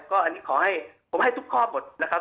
ก็อันนี้ขอให้ผมให้ทุกข้อหมดนะครับ